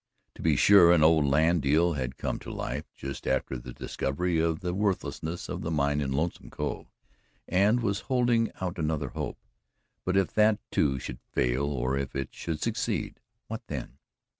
To be sure, an old land deal had come to life, just after the discovery of the worthlessness of the mine in Lonesome Cove, and was holding out another hope. But if that, too, should fail or if it should succeed what then?